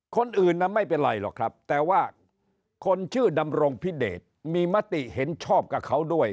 คนอื่นน่ะไม่เป็นไรหรอกครับแต่ว่าคนชื่อดำรงพิเดชมีมติเห็นชอบกับเขาด้วย